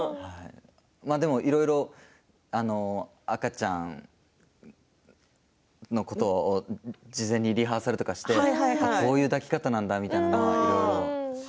いろいろと赤ちゃんのことを事前にリハーサルとかしてこういう抱き方なんだみたいなことを思ったり。